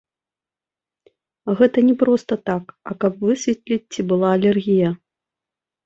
Гэта не проста так, а каб высветліць, ці была алергія.